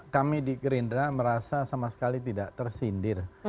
kami di gerindra merasa sama sekali tidak tersindir